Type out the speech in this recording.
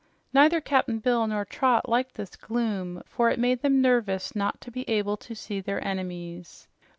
Neither Cap'n Bill nor Trot liked this gloom, for it made them nervous not to be able to see their enemies.